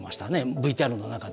ＶＴＲの中で。